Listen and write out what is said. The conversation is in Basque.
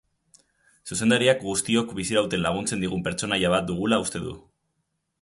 Zuzendariak guztiok bizirauten laguntzen digun pertsonaia bat dugula uste du.